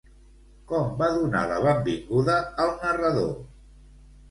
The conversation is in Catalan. Com va donar la benvinguda al narrador?